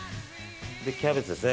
キャベツですね。